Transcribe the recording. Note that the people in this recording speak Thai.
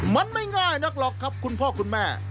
มันไม่ง่ายนักหรอกครับคุณพ่อคุณแม่